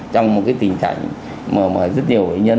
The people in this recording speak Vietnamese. trong một cái tình trạng mà rất nhiều bệnh nhân